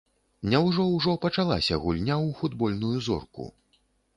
Няўжо ўжо пачалася гульня ў футбольную зорку?